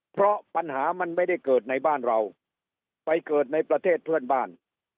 เพราะปัญหามันไม่ได้เกิดในบ้านเราไปเกิดในประเทศเพื่อนบ้าน